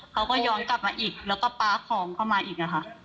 เขาก็ย้อนกลับมาอีกแล้วก็ป๊าของเข้ามาอีกอะค่ะ